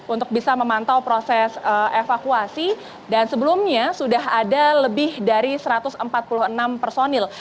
untuk bisa memantau proses evakuasi dan sebelumnya sudah ada lebih dari satu ratus empat puluh enam personil